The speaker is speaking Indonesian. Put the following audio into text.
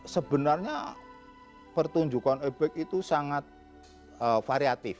sebenarnya pertunjukan ebek itu sangat variatif